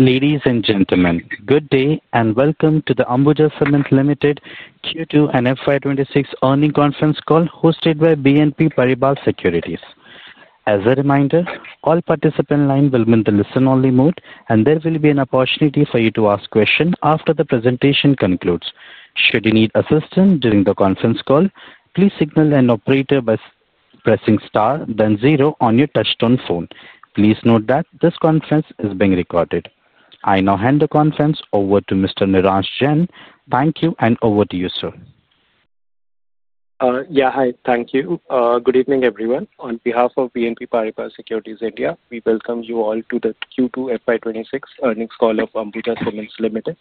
Ladies and gentlemen, good day and welcome to the Ambuja Cement Limited Q2 and FY 2026 earning conference call hosted by BNP Paribas Securities. As a reminder, all participants' lines will be in the listen-only mode, and there will be an opportunity for you to ask questions after the presentation concludes. Should you need assistance during the conference call, please signal an operator by pressing star then zero on your touchtone phone. Please note that this conference is being recorded. I now hand the conference over to Mr. Nilraj Jain. Thank you, and over to you, sir. Yeah, hi. Thank you. Good evening, everyone. On behalf of BNP Paribas Securities India, we welcome you all to the Q2 FY 2026 earnings call of Ambuja Cement Limited.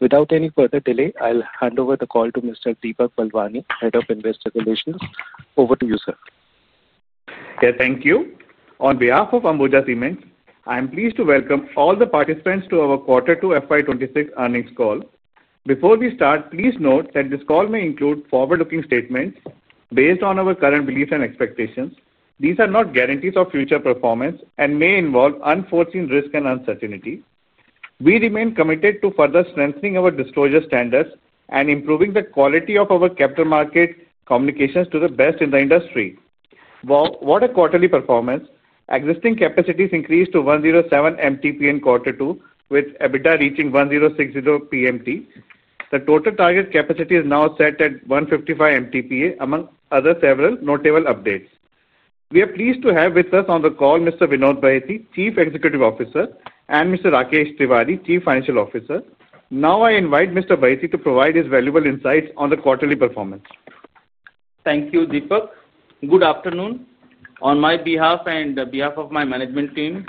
Without any further delay, I'll hand over the call to Mr. Deepak Balwani, Head of Investor Relations. Over to you, sir. Yeah, thank you. On behalf of ACC, I'm pleased to welcome all the participants to our Quarter 2 FY 2026 earnings call. Before we start, please note that this call may include forward-looking statements based on our current beliefs and expectations. These are not guarantees of future performance and may involve unforeseen risk and uncertainty. We remain committed to further strengthening our disclosure standards and improving the quality of our capital market communications to the best in the industry. What a quarterly performance. Existing capacities increased to 107 MTPA in Quarter 2, with EBITDA reaching ₹1,060 PMT. The total target capacity is now set at 155 MTPA, among other several notable updates. We are pleased to have with us on the call Mr. Vinod Bhatti, Chief Executive Officer and Mr. Rakesh Tiwari, Chief Financial Officer. Now I invite Mr. Bhatti to provide his valuable insights on the quarterly performance. Thank you, Deepak. Good afternoon. On my behalf and on behalf of my management team,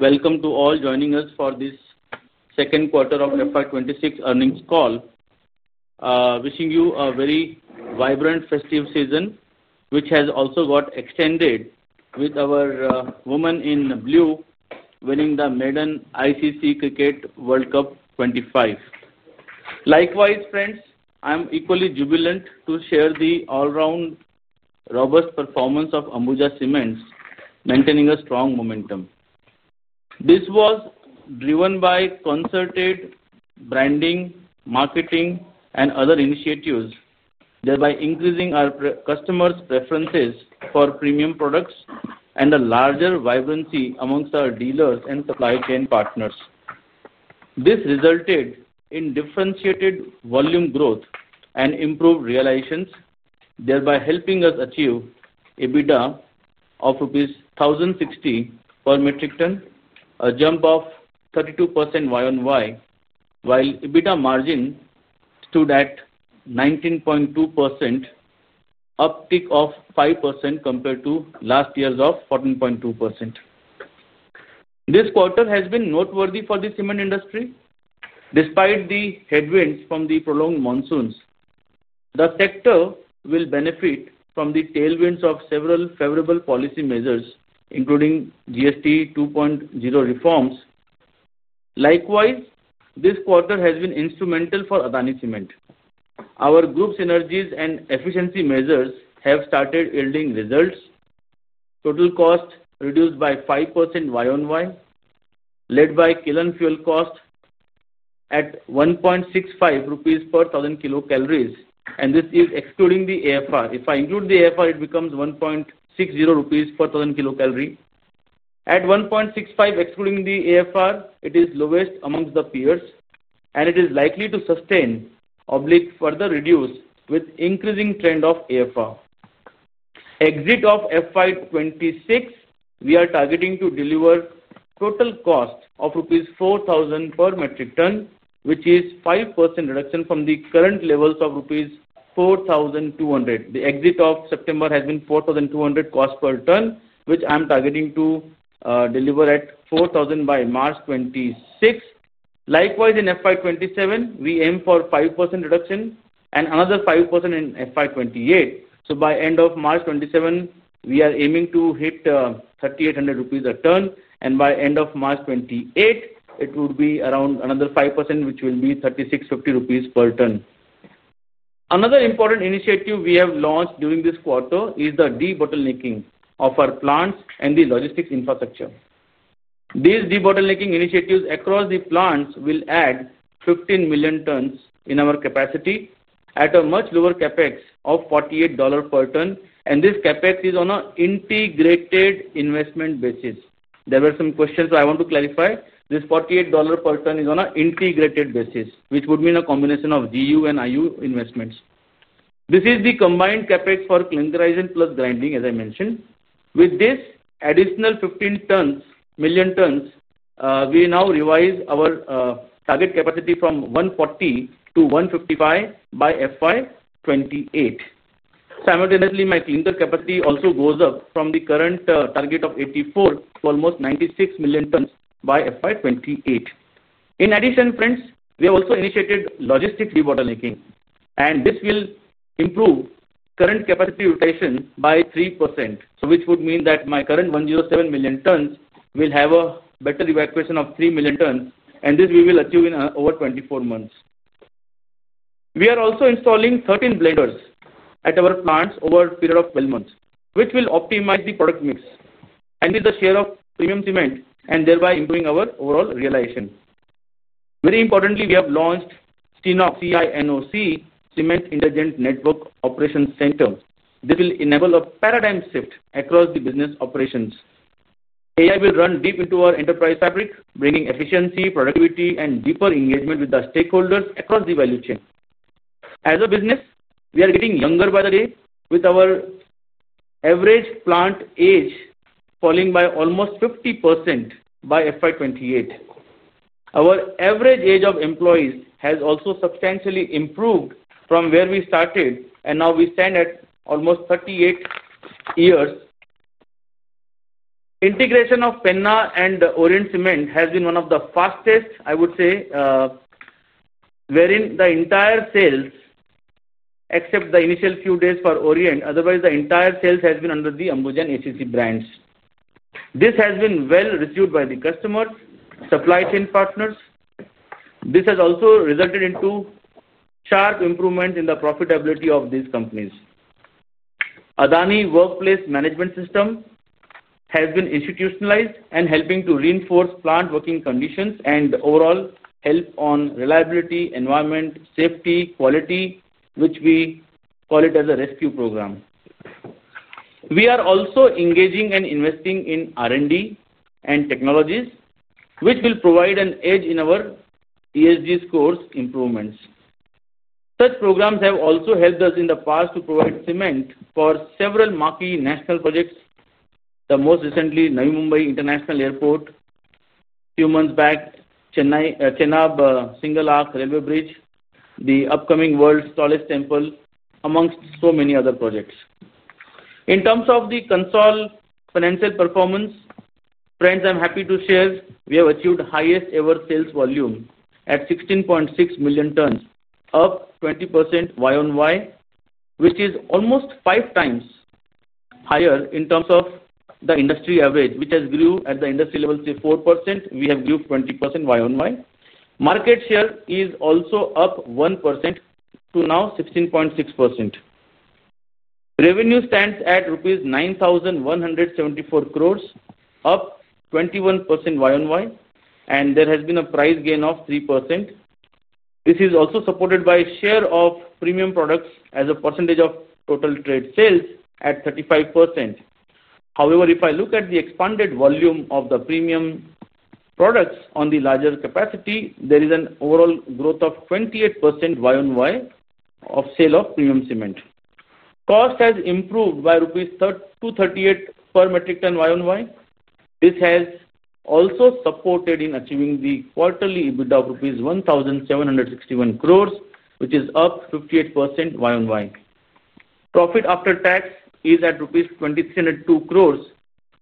welcome to all joining us for this second quarter of FY 2026 earnings call. Wishing you a very vibrant, festive season, which has also got extended with our woman in blue winning the Maiden ICC Cricket World Cup 2025. Likewise, friends, I'm equally jubilant to share the all-round robust performance of ACC, maintaining a strong momentum. This was driven by concerted branding, marketing, and other initiatives, thereby increasing our customers' preferences for premium products and a larger vibrancy amongst our dealers and supply chain partners. This resulted in differentiated volume growth and improved realizations, thereby helping us achieve EBITDA of rupees 1,060 per metric ton, a jump of 32% year-on-year, while EBITDA margin stood at 19.2%. Uptick of 5% compared to last year's 14.2%. This quarter has been noteworthy for the cement industry. Despite the headwinds from the prolonged monsoons, the sector will benefit from the tailwinds of several favorable policy measures, including GST 2.0 reforms. Likewise, this quarter has been instrumental for ACC. Our group synergies and efficiency measures have started yielding results. Total cost reduced by 5% year-on-year, led by kiln fuel cost at 1.65 rupees per thousand kilocalories, and this is excluding the AFR. If I include the AFR, it becomes 1.60 rupees per thousand kilocalories. At 1.65, excluding the AFR, it is lowest amongst the peers, and it is likely to sustain or be further reduced with the increasing trend of AFR. Exit of FY 2026, we are targeting to deliver total cost of rupees 4,000 per metric ton, which is a 5% reduction from the current levels of rupees 4,200. The exit of September has been 4,200 cost per ton, which I'm targeting to deliver at 4,000 by March 2026. Likewise, in FY 2027, we aim for a 5% reduction and another 5% in FY 2028. By the end of March 2027, we are aiming to hit 3,800 rupees a ton, and by the end of March 2028, it would be around another 5%, which will be 3,650 rupees per ton. Another important initiative we have launched during this quarter is the debottlenecking of our plants and the logistics infrastructure. These debottlenecking initiatives across the plants will add 15 million tons in our capacity at a much lowerCapEx of $48 per ton, and thisCapEx is on an integrated investment basis. There were some questions, so I want to clarify. This $48 per ton is on an integrated basis, which would mean a combination of GU and IU investments. This is the combined CapEx for clinkerizing plus grinding, as I mentioned. With this additional 15 million tons, we now revise our target capacity from 140 to 155 by FY 2028. Simultaneously, my clinker capacity also goes up from the current target of 84 to almost 96 million tons by FY 2028. In addition, friends, we have also initiated logistics debottlenecking, and this will improve current capacity rotation by 3%, which would mean that my current 107 million tons will have a better evacuation of 3 million tons, and this we will achieve in over 24 months. We are also installing 13 blenders at our plants over a period of 12 months, which will optimize the product mix and the share of premium cement, thereby improving our overall realization. Very importantly, we have launched CINOC, CINOC Cement Indulgent Network Operations Center. This will enable a paradigm shift across the business operations. AI will run deep into our enterprise fabric, bringing efficiency, productivity, and deeper engagement with the stakeholders across the value chain. As a business, we are getting younger by the day, with our average plant age falling by almost 50% by FY 2028. Our average age of employees has also substantially improved from where we started, and now we stand at almost 38 years. Integration of Penna and Orient Cement has been one of the fastest, I would say. Wherein the entire sales, except the initial few days for Orient, otherwise the entire sales has been under the Ambuja and ACC brands. This has been well received by the customers, supply chain partners. This has also resulted in sharp improvements in the profitability of these companies. Adani Workplace Management System has been institutionalized and helping to reinforce plant working conditions and overall help on reliability, environment, safety, quality, which we call it as a rescue program. We are also engaging and investing in R&D and technologies, which will provide an edge in our ESG scores improvements. Such programs have also helped us in the past to provide cement for several marquee national projects, the most recently Navi Mumbai International Airport. A few months back, Chenab Bridge Single Arch Railway Bridge, the upcoming World's Tallest Temple, amongst so many other projects. In terms of the consol financial performance, friends, I'm happy to share we have achieved the highest-ever sales volume at 16.6 million tons, up 20% year-on-year, which is almost five times higher in terms of the industry average, which has grew at the industry level to 4%. We have grew 20% year-on-year. Market share is also up 1% to now 16.6%. Revenue stands at rupees 9,174 crore, up 21% year-on-year, and there has been a price gain of 3%. This is also supported by a share of premium products as a percentage of total trade sales at 35%. However, if I look at the expanded volume of the premium products on the larger capacity, there is an overall growth of 28% year-on-year of sale of premium cement. Cost has improved by rupees 238 per metric ton year-on-year. This has also supported in achieving the quarterly EBITDA of 1,761 crore rupees, which is up 58% year-on-year. Profit after tax is at rupees 2,302 crore,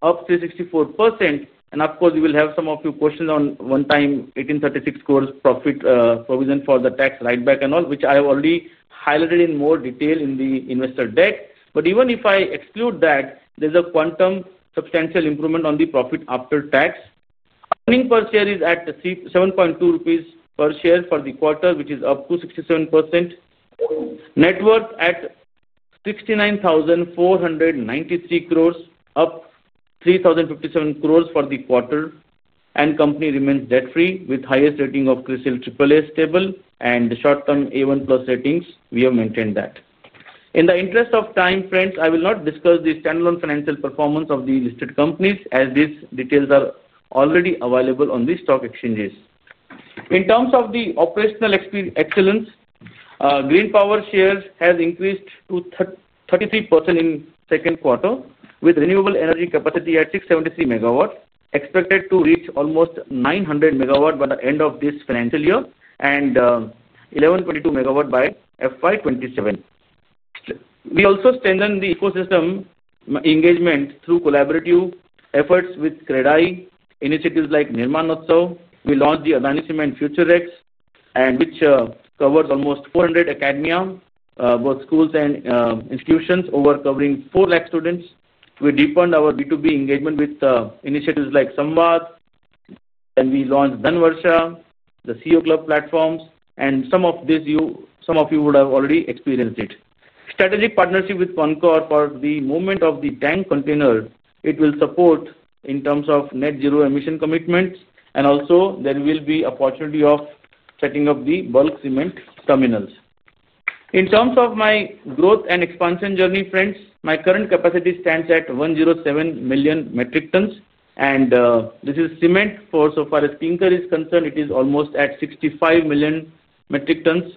up 364%. Of course, we will have some of your questions on one-time 18,36 profit provision for the tax write-back and all, which I have already highlighted in more detail in the investor deck. Even if I exclude that, there is a quantum substantial improvement on the profit after tax. Earnings per share is at 7.2 rupees per share for the quarter, which is up 267%. Net worth at 694,93, up 30,57 for the quarter, and the company remains debt-free with the highest rating of CRISIL AAA stable and short-term A1 plus ratings. We have maintained that. In the interest of time, friends, I will not discuss the standalone financial performance of the listed companies, as these details are already available on the stock exchanges. In terms of the operational excellence, green power share has increased to 33% in the second quarter, with renewable energy capacity at 673 MW expected to reach almost 900 MW by the end of this financial year and 1,122 MW by FY 2027. We also strengthened the ecosystem engagement through collaborative efforts with CREDAI initiatives like Nirman Utsav. We launched the Adani Cement FutureX, which covers almost 400 academia, both schools and institutions, covering 400,000 students. We deepened our B2B engagement with initiatives like SAMVAD. We launched Dhan Varsha, the CEO Club platforms, and some of you would have already experienced it. Strategic partnership with Concor for the movement of the tank container will support in terms of net zero emission commitments, and also there will be an opportunity of setting up the bulk cement terminals. In terms of my growth and expansion journey, friends, my current capacity stands at 107 million metric tons, and this is cement. For clinker, it is almost at 65 million metric tons.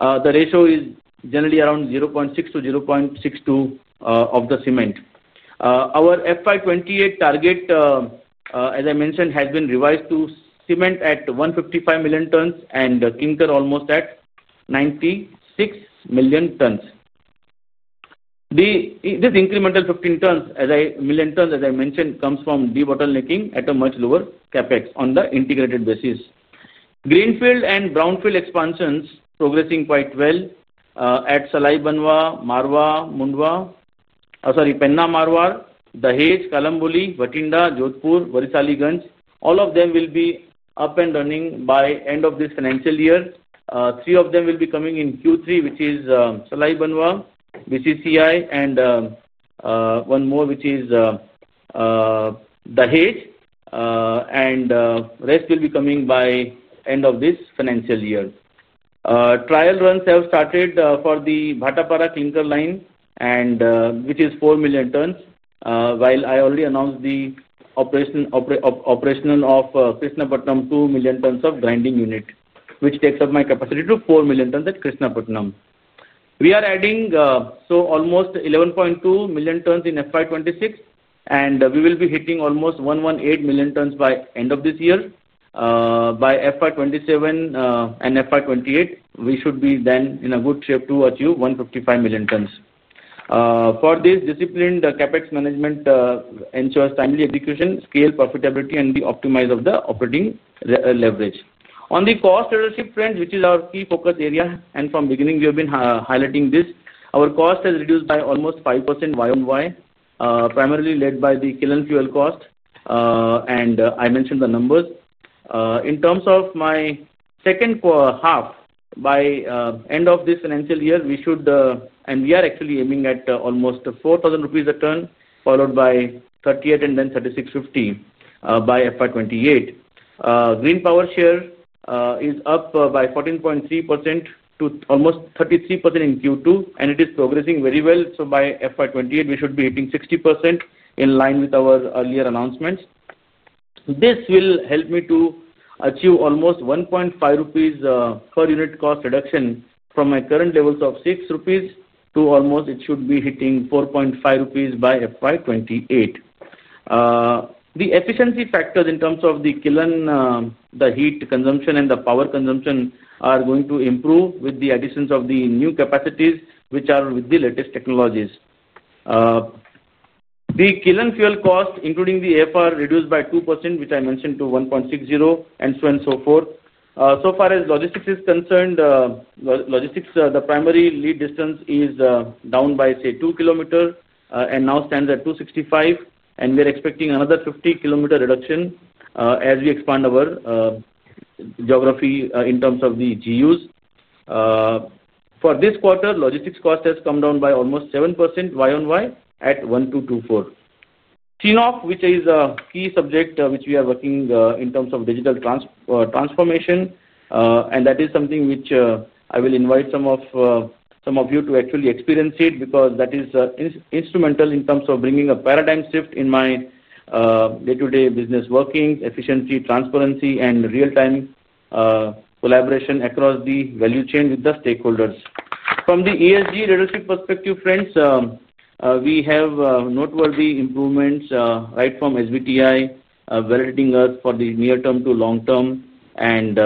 The ratio is generally around 0.6-0.62 of the cement. Our FY 2028 target, as I mentioned, has been revised to cement at 155 million tons and clinker almost at 96 million tons. This incremental 15 million tons, as I mentioned, comes from debottlenecking at a much lower capex on the integrated basis. Greenfield and brownfield expansions are progressing quite well at Salai Banwa, Marwa, Mundwa, Penna Marwar, Dahej, Kalamboli, Bathinda, Jodhpur, Varisali Ganj. All of them will be up and running by the end of this financial year. Three of them will be coming in Q3, which is Salai Banwa, BCCI, and one more, which is Dahej. The rest will be coming by the end of this financial year. Trial runs have started for the Bhattapara clinker line, which is 4 million tons, while I already announced the operational status of Krishnapatnam, 2 million tons of grinding unit, which takes up my capacity to 4 million tons at Krishnapatnam. We are adding almost 11.2 million tons in FY 2026, and we will be hitting almost 118 million tons by the end of this year. By FY 2027 and FY 2028, we should be then in a good shape to achieve 155 million tons. For this discipline, the CapEx management ensures timely execution, scale profitability, and the optimize of the operating leverage. On the cost leadership, friends, which is our key focus area, and from the beginning, we have been highlighting this, our cost has reduced by almost 5% year-on-year primarily led by the kiln fuel cost. I mentioned the numbers. In terms of my second half, by the end of this financial year, we should, and we are actually aiming at almost 4,000 rupees a ton, followed by 3,800 and then 3,650 by FY 2028. Green power share is up by 14.3% to almost 33% in Q2, and it is progressing very well. By FY 2028, we should be hitting 60% in line with our earlier announcements. This will help me to achieve almost 1.5 rupees per unit cost reduction from my current levels of 6 rupees to almost, it should be hitting 4.5 rupees by FY 2028. The efficiency factors in terms of the kiln, the heat consumption, and the power consumption are going to improve with the additions of the new capacities, which are with the latest technologies. The kiln fuel cost, including the AFR, is reduced by 2%, which I mentioned to 1.60, and so on and so forth. So far as logistics is concerned. Logistics, the primary lead distance is down by, say, 2 km and now stands at 265, and we are expecting another 50 km reduction as we expand our geography in terms of the GUs. For this quarter, logistics cost has come down by almost 7% year-on-year at 1,224. CINOC, which is a key subject which we are working in terms of digital transformation, and that is something which I will invite some of you to actually experience it because that is instrumental in terms of bringing a paradigm shift in my day-to-day business working, efficiency, transparency, and real-time collaboration across the value chain with the stakeholders. From the ESG leadership perspective, friends, we have noteworthy improvements right from SBTi validating us for the near-term to long-term, and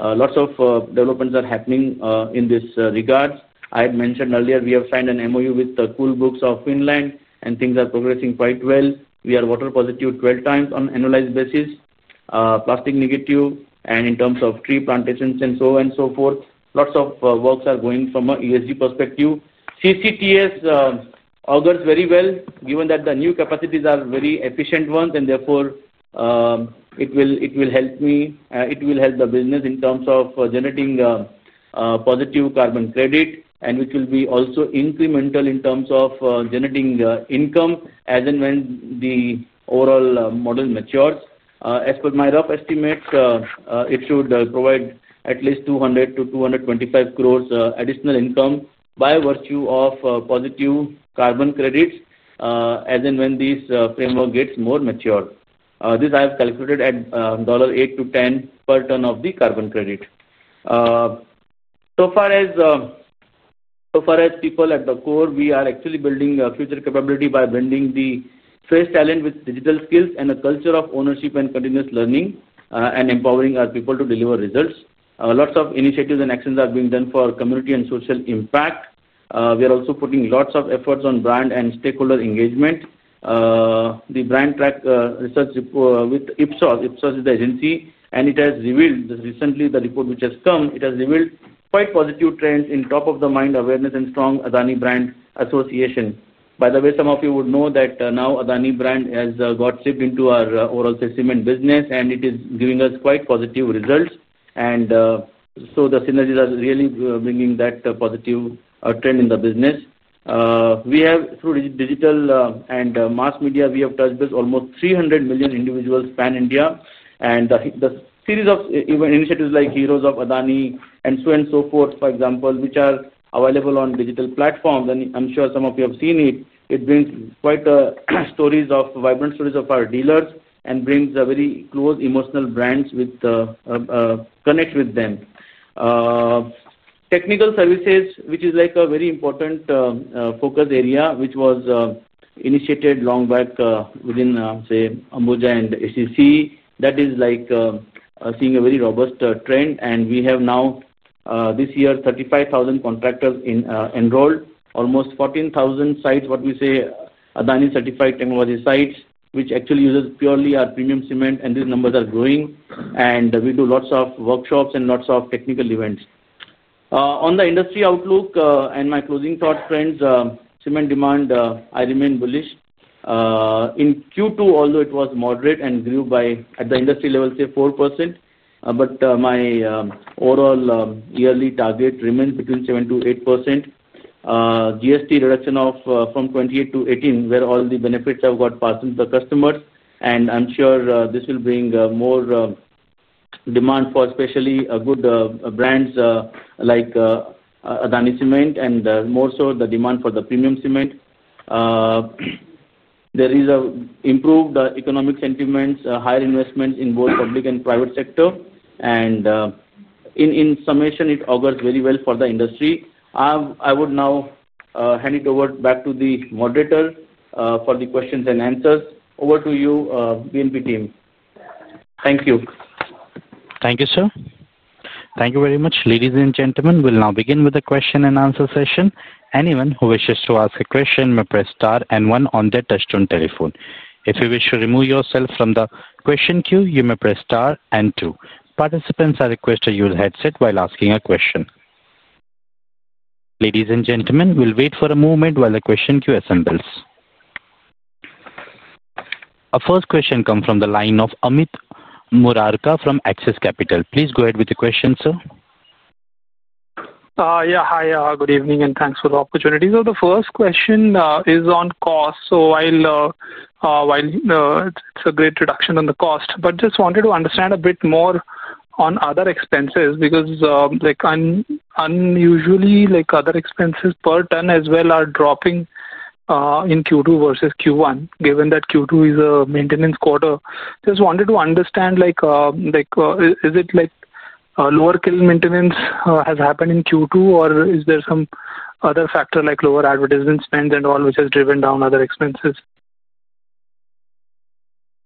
lots of developments are happening in this regard. I had mentioned earlier we have signed an MOU with the Cool Books of Finland, and things are progressing quite well. We are water positive 12x on an annualized basis, plastic negative, and in terms of tree plantations and so on and so forth, lots of works are going from an ESG perspective. CCTS augurs very well, given that the new capacities are very efficient ones, and therefore it will help me, it will help the business in terms of generating positive carbon credit, and which will be also incremental in terms of generating income as and when the overall model matures. As per my rough estimate, it should provide at least 2.00 billion-2.25 billion additional income by virtue of positive carbon credits as and when this framework gets more mature. This I have calculated at $8-$10 per ton of the carbon credit. So far as people at the core, we are actually building future capability by blending the fresh talent with digital skills and a culture of ownership and continuous learning and empowering our people to deliver results. Lots of initiatives and actions are being done for community and social impact. We are also putting lots of efforts on brand and stakeholder engagement. The brand track research report with Ipsos, Ipsos is the agency, and it has revealed recently the report which has come, it has revealed quite positive trends in top-of-the-mind awareness and strong ACC Brand Association. By the way, some of you would know that now ACC Brand has got shipped into our overall cement business, and it is giving us quite positive results. The synergies are really bringing that positive trend in the business. We have, through digital and mass media, touched almost 300 million individuals pan-India, and the series of initiatives like Heroes of ACC and so on and so forth, for example, which are available on digital platforms, and I am sure some of you have seen it. It brings quite stories of vibrant stories of our dealers and brings a very close emotional brands with connect with them. Technical services, which is like a very important focus area, which was initiated long back within, say, ACC and Ambuja, that is like seeing a very robust trend, and we have now this year 35,000 contractors enrolled, almost 14,000 sites, what we say ACC Certified Technology sites, which actually uses purely our premium cement, and these numbers are growing, and we do lots of workshops and lots of technical events. On the industry outlook and my closing thought, friends, cement demand, I remain bullish. In Q2, although it was moderate and grew by, at the industry level, say 4%, but my overall yearly target remains between 7%-8%. GST reduction from 28%-18%, where all the benefits have got passed to the customers, and I am sure this will bring more demand for especially good brands like ACC Cement and more so the demand for the premium cement. There is an improved economic sentiment, higher investments in both public and private sector, and in summation, it augurs very well for the industry. I would now hand it over back to the moderator for the questions and answers. Over to you, BNP team. Thank you. Thank you, sir. Thank you very much, ladies and gentlemen. We will now begin with the question and answer session. Anyone who wishes to ask a question may press star and one on their touchstone telephone. If you wish to remove yourself from the question queue, you may press star and two. Participants are requested to use headset while asking a question. Ladies and gentlemen, we'll wait for a moment while the question queue assembles. Our first question comes from the line of Amit Murarka from Axis Capital. Please go ahead with the question, sir. Yeah, hi, good evening, and thanks for the opportunity. The first question is on cost. It's a great reduction in the cost, but just wanted to understand a bit more on other expenses because unusually, other expenses per ton as well are dropping. In Q2 versus Q1, given that Q2 is a maintenance quarter. Just wanted to understand. Is it lower kiln maintenance has happened in Q2, or is there some other factor like lower advertisement spend and all which has driven down other expenses?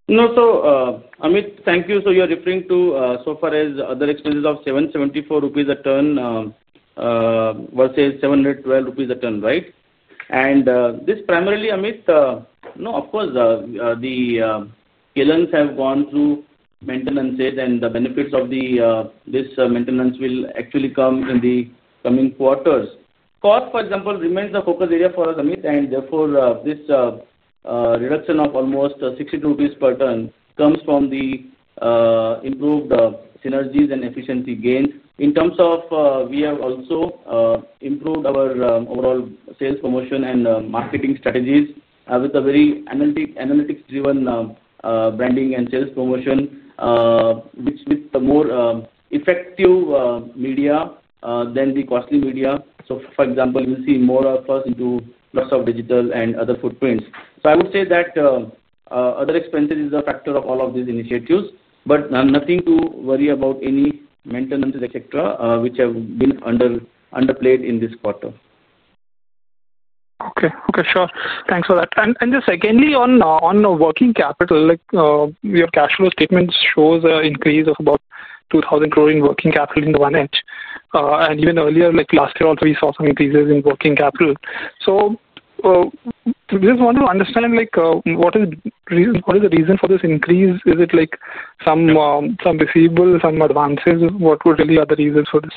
No, so Amit, thank you. You're referring to so far as other expenses of 774 rupees a ton versus 712 rupees a ton, right? This primarily, Amit, no, of course, the kilns have gone through maintenance, and the benefits of this maintenance will actually come in the coming quarters. Cost, for example, remains a focus area for us, Amit, and therefore this reduction of almost 62 rupees per ton comes from the improved synergies and efficiency gains. In terms of, we have also improved our overall sales promotion and marketing strategies with a very analytics-driven branding and sales promotion, with the more effective media than the costly media. For example, you'll see more of us into lots of digital and other footprints. I would say that other expenses is a factor of all of these initiatives, but nothing to worry about any maintenance, etc., which have been underplayed in this quarter. Okay, okay, sure. Thanks for that. Just secondly, on working capital, your cash flow statement shows an increase of about 2,000 crore in working capital in the one inch. Even earlier, like last year, also we saw some increases in working capital. We just want to understand What is the reason for this increase? Is it some receivables, some advances? What were really the reaso ns for this?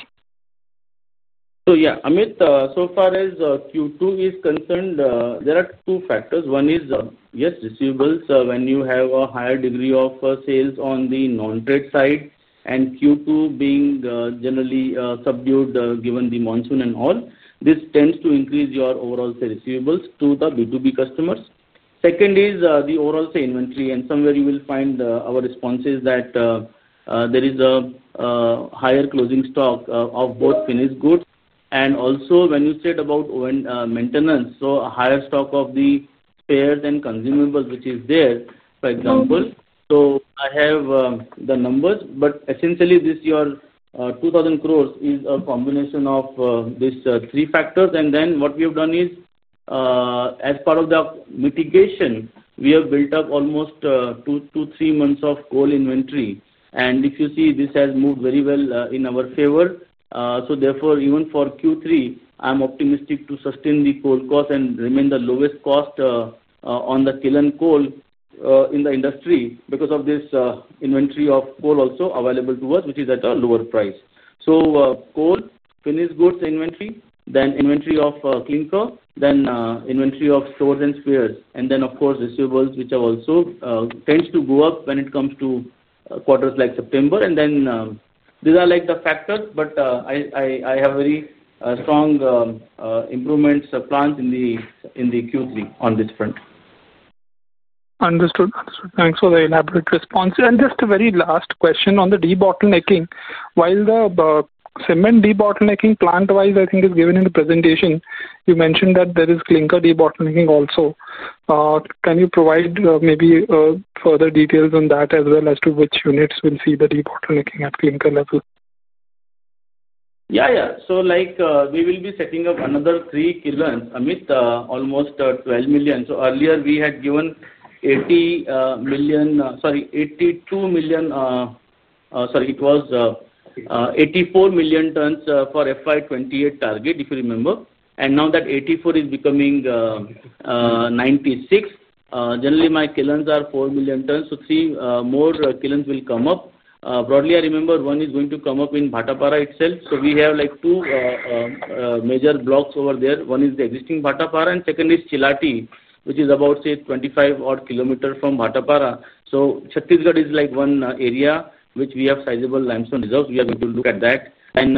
Yeah, Amit, so far as Q2 is concerned, there are two factors. One is, yes, receivables when you have a higher degree of sales on the non-trade side, and Q2 being generally subdued given the monsoon and all, this tends to increase your overall receivables to the B2B customers. Second is the overall inventory, and somewhere you will find our responses that there is a higher closing stock of both finished goods. Also, when you said about maintenance, so a higher stock of the spares and consumables which is there, for example. I have the numbers, but essentially, your 2,000 crore is a combination of these three factors. What we have done is, as part of the mitigation, we have built up almost two, three months of coal inventory. If you see, this has moved very well in our favor. Therefore, even for Q3, I'm optimistic to sustain the coal cost and remain the lowest cost on the kiln coal in the industry because of this inventory of coal also available to us, which is at a lower price. So coal, finished goods inventory, then inventory of clinker, then inventory of stores and spares, and then, of course, receivables which also tends to go up when it comes to quarters like September. These are the factors, but I have very strong improvement plans in Q3 on this front. Understood. Thanks for the elaborate response. Just a very last question on the debottlenecking. While the cement debottlenecking plant-wise, I think, is given in the presentation, you mentioned that there is clinker debottlenecking also. Can you provide maybe further details on that as well as to which units will see the debottlenecking at clinker level? Yeah, yeah. We will be setting up another three kilns, Amit, almost 12 million. Earlier, we had given 80 million, sorry, 82 million. Sorry, it was 84 million tons for FY 2028 target, if you remember. Now that 84 is becoming 96. Generally, my kilns are 4 million tons. So three more kilns will come up. Broadly, I remember one is going to come up in Bhattapara itself. We have two major blocks over there. One is the existing Bhattapara, and second is Chilati, which is about, say, 25 odd km from Bhattapara. Chhattisgarh is one area which we have sizable limestone reserves. We are going to look at that. One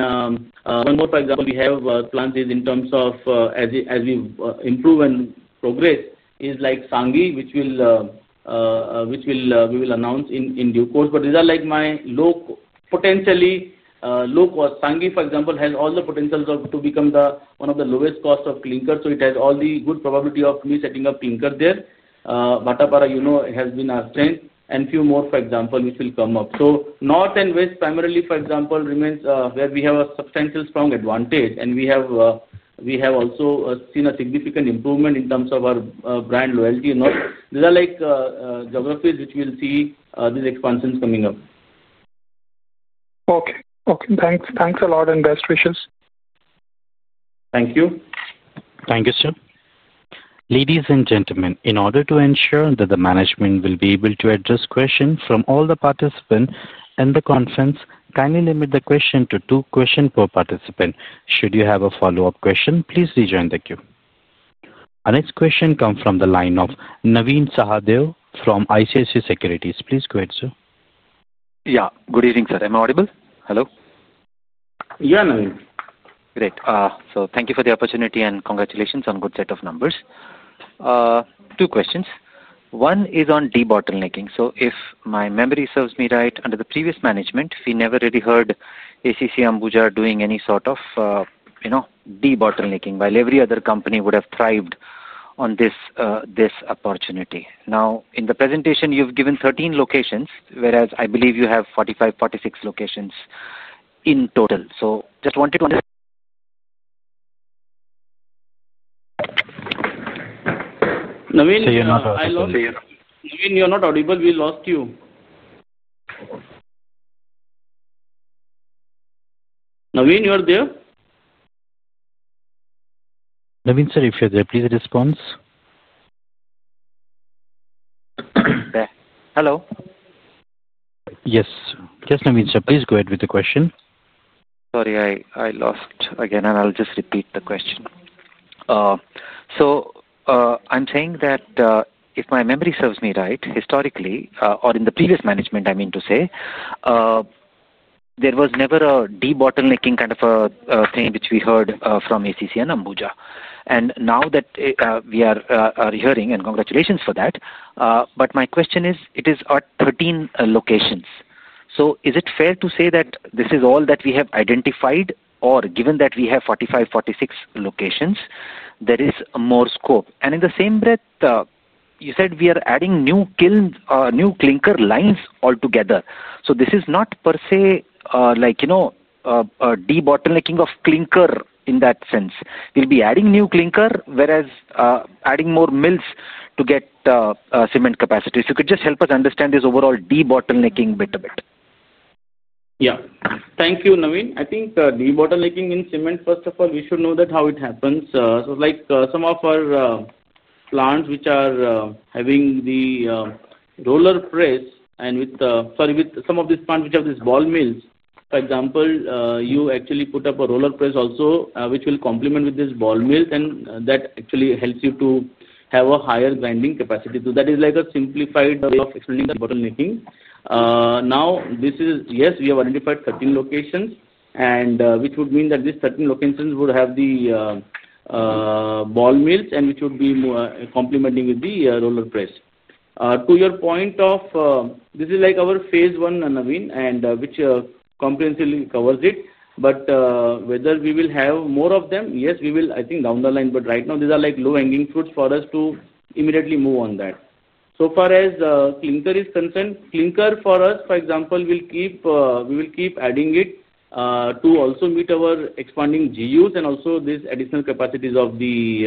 more, for example, we have plans in terms of, as we improve and progress, is Sanghi, which we will announce in due course. These are my potentially low cost. Sanghi, for example, has all the potential to become one of the lowest costs of clinker. It has all the good probability of me setting up clinker there. Bhattapara, you know, has been our strength. A few more, for example, which will come up. North and west primarily, for example, remains where we have a substantial strong advantage, and we have also seen a significant improvement in terms of our brand loyalty and all. These are geographies which will see these expansions coming up. Okay, okay. Thanks a lot and best wishes. Thank you. Thank you, sir. Ladies and gentlemen, in order to ensure that the management will be able to address questions from all the participants in the conference, kindly limit the question to two questions per participant. Should you have a follow-up question, please rejoin the queue. Our next question comes from the line of Navin Sahadeo from ICICI Securities. Please go ahead, sir. Yeah, good evening, sir. Am I audible? Hello? Yeah, Navin. Great. Thank you for the opportunity and congratulations on a good set of numbers. Two questions. One is on debottlenecking. If my memory serves me right, under the previous management, we never really heard ACC Ambuja doing any sort of debottlenecking, while every other company would have thrived on this opportunity. In the presentation, you've given 13 locations, whereas I believe you have 45-46 locations in total. I just wanted to understand. Navin, you're not audible. We lost you. Navin, are you there? Navin sir, if you're there, please respond. Hello? Yes. Navin sir, please go ahead with the question. Sorry, I lost again, and I'll just repeat the question. If my memory serves me right, historically, or in the previous management, I mean to say, there was never a debottlenecking kind of a thing which we heard from ACICI and Ambuja. Now that we are hearing, and congratulations for that, my question is, it is at 13 locations. Is it fair to say that this is all that we have identified, or given that we have 45-46 locations, there is more scope? In the same breath, you said we are adding new clinker lines altogether. This is not per se debottlenecking of clinker in that sense. We'll be adding new clinker, whereas adding more mills to get cement capacity. If you could just help us understand this overall debottlenecking bit a bit. Thank you, Navin I think debottlenecking in cement, first of all, we should know how it happens. Some of our plants which are having the roller press, and with, sorry, with some of these plants which have these ball mills, for example, you actually put up a roller press also which will complement with this ball mill, and that actually helps you to have a higher grinding capacity. That is like a simplified way of explaining debottlenecking. Now, yes, we have identified 13 locations, which would mean that these 13 locations would have the ball mills, and which would be complementing with the roller press. To your point, this is like our phase 1, Navin, and which comprehensively covers it. Whether we will have more of them, yes, I think down the line we will. Right now, these are low-hanging fruits for us to immediately move on that. So far as clinker is concerned, clinker for us, for example, we will keep adding it to also meet our expanding GUs and also these additional capacities of the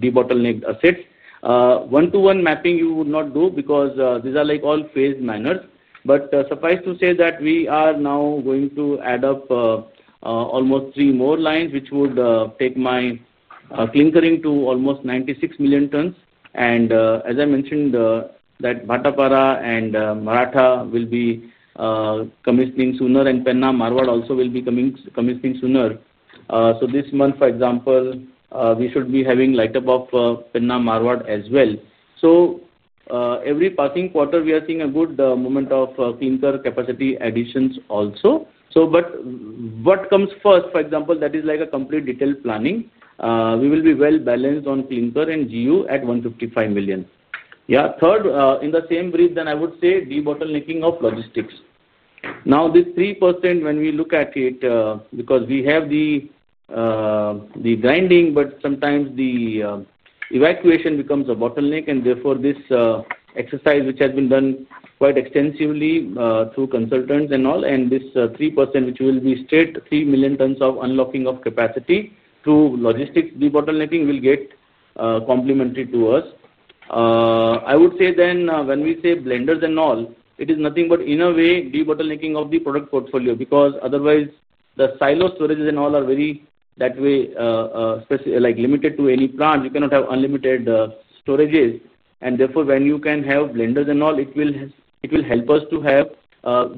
debottlenecked assets. One-to-one mapping you would not do because these are all phased manners. Suffice to say that we are now going to add up almost three more lines, which would take my clinkering to almost 96 million tons. As I mentioned, Bhattapara and Maratha will be commissioning sooner, and Penna Marwad also will be commissioning sooner. This month, for example, we should be having light-up of Penna Marwad as well. Every passing quarter, we are seeing a good moment of clinker capacity additions also. But what comes first, for example, that is like a complete detailed planning. We will be well balanced on clinker and GU at 155 million. Yeah. Third, in the same breath, then I would say debottlenecking of logistics. Now, this 3%, when we look at it, because we have the grinding, but sometimes the evacuation becomes a bottleneck, and therefore this exercise, which has been done quite extensively through consultants and all, and this 3%, which will be straight 3 million tons of unlocking of capacity through logistics debottlenecking, will get complementary to us. I would say then when we say blenders and all, it is nothing but, in a way, debottlenecking of the product portfolio because otherwise the silo storages and all are very that way. Limited to any plant. You cannot have unlimited storages. And therefore, when you can have blenders and all, it will help us to have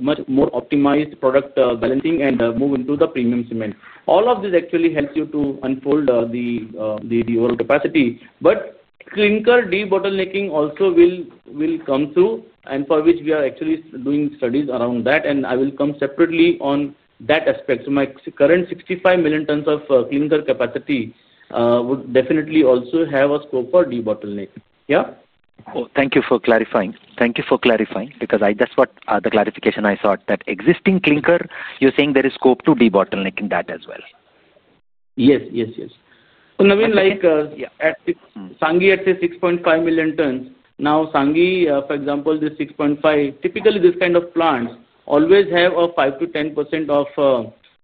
much more optimized product balancing and move into the premium cement. All of this actually helps you to unfold the overall capacity. But clinker debottlenecking also will come through, and for which we are actually doing studies around that, and I will come separately on that aspect. So my current 65 million tons of clinker capacity would definitely also have a scope for debottleneck. Yeah? Oh, thank you for clarifying. Thank you for clarifying because that's what the clarification I sought, that existing clinker, you're saying there is scope to debottlenecking that as well. Yes, yes, yes. So Navin, at Sanghi at 6.5 million tons, now Sanghi, for example, this 6.5, typically this kind of plants always have a 5%-10% of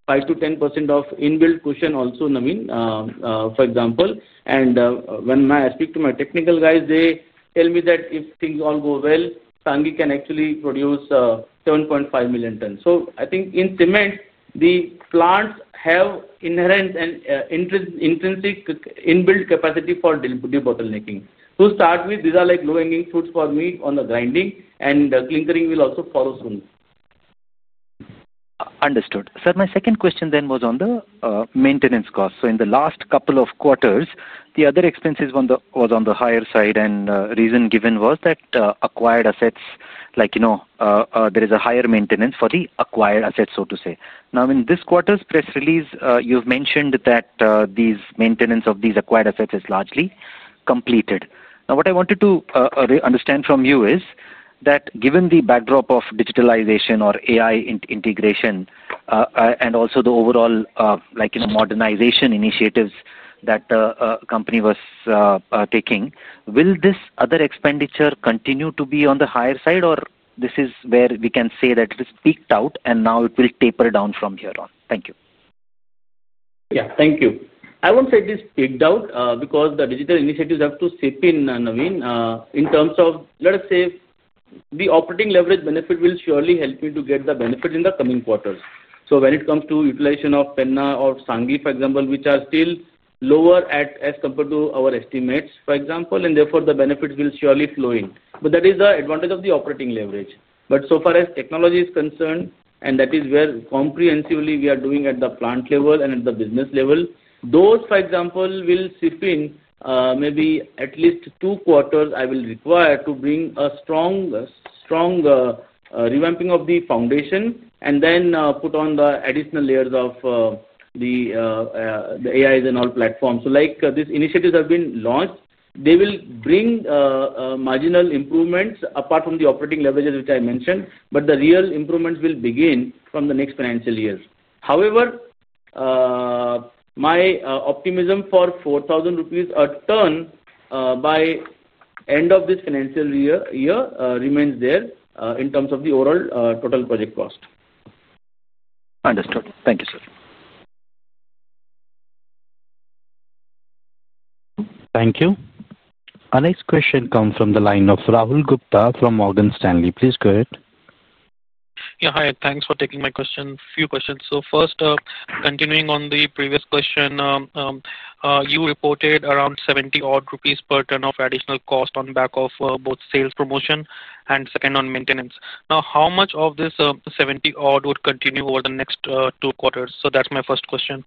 inbuilt cushion also, Navin, for example. And when I speak to my technical guys, they tell me that if things all go well, Sanghi can actually produce 7.5 million tons. So I think in cement, the plants have inherent and intrinsic inbuilt capacity for debottlenecking. To start with, these are low-hanging fruits for me on the grinding, and clinkering will also follow soon. Understood. Sir, my second question then was on the maintenance cost. So in the last couple of quarters, the other expenses was on the higher side, and the reason given was that acquired assets, there is a higher maintenance for the acquired assets, so to say. Now, in this quarter's press release, you've mentioned that the maintenance of these acquired assets is largely completed. Now, what I wanted to understand from you is that given the backdrop of digitalization or AI integration and also the overall modernization initiatives that the company was taking, will this other expenditure continue to be on the higher side, or this is where we can say that it is peaked out and now it will taper down from here on? Thank you. Yeah, thank you. I won't say it is peaked out because the digital initiatives have to sip in, Navin, in terms of, let us say. The operating leverage benefit will surely help me to get the benefits in the coming quarters. When it comes to utilization of Penna or Sanghi, for example, which are still lower as compared to our estimates, for example, and therefore the benefits will surely flow in. That is the advantage of the operating leverage. So far as technology is concerned, and that is where comprehensively we are doing at the plant level and at the business level, those, for example, will sip in maybe at least two quarters I will require to bring a strong revamping of the foundation and then put on the additional layers of the AIs and all platforms. These initiatives have been launched. They will bring marginal improvements apart from the operating leverages, which I mentioned, but the real improvements will begin from the next financial year. However, my optimism for 4,000 rupees a ton by end of this financial year remains there in terms of the overall total project cost. Understood. Thank you, sir. Thank you. Our next question comes from the line of Rahul Gupta from Morgan Stanley. Please go ahead. Yeah, hi. Thanks for taking my few questions. First, continuing on the previous question. You reported around 70 rupees odd per ton of additional cost on back of both sales promotion and second on maintenance. Now, how much of this 70 odd would continue over the next two quarters? That is my first question.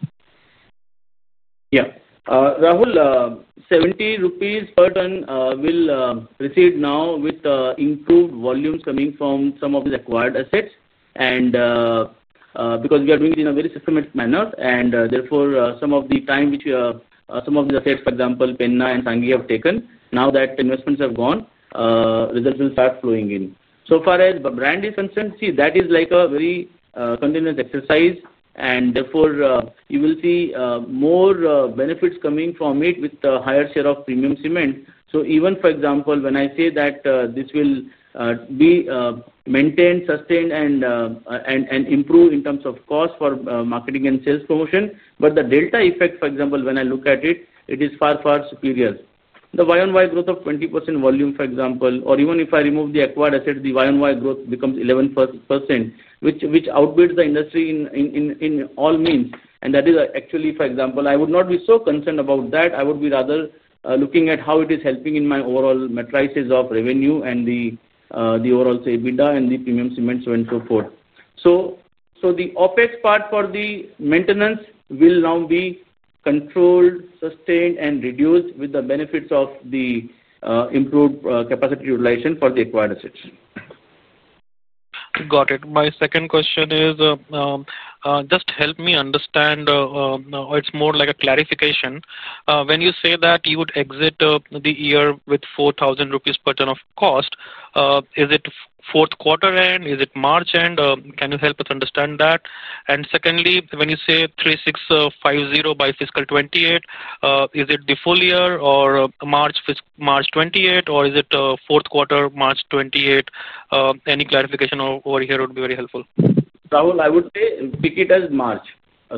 Yeah. Rahul, 70 rupees per ton will proceed now with improved volumes coming from some of the acquired assets. Because we are doing it in a very systematic manner, and therefore some of the time which some of the assets, for example, Penna and Sanghi have taken, now that investments have gone, results will start flowing in. So far as the brand is concerned, see, that is like a very continuous exercise, and therefore you will see more benefits coming from it with the higher share of premium cement. Even, for example, when I say that this will be maintained, sustained, and improved in terms of cost for marketing and sales promotion, the delta effect, for example, when I look at it, it is far, far superior. The Y&Y growth of 20% volume, for example, or even if I remove the acquired asset, the year-on-year growth becomes 11%, which outbids the industry in all means. That is actually, for example, I would not be so concerned about that. I would be rather looking at how it is helping in my overall metrices of revenue and the overall EBITDA and the premium cement, so on and so forth. The OPEX part for the maintenance will now be controlled, sustained, and reduced with the benefits of the improved capacity utilization for the acquired assets. Got it. My second question is, just help me understand. It is more like a clarification. When you say that you would exit the year with 4,000 rupees per ton of cost. Is it fourth quarter end? Is it March end? Can you help us understand that? And secondly, when you say 3,650 by fiscal 2028, is it the full year or March 2028, or is it fourth quarter, March 2028? Any clarification over here would be very helpful. Rahul, I would say pick it as March.